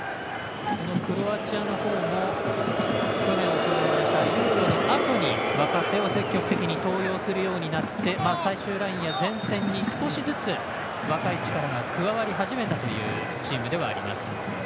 クロアチアのほうも去年、行われたＥＵＲＯのあとに若手を積極的に登用するようになって最終ラインや前線に少しずつ若い選手が加わり始めたというチームでもあります。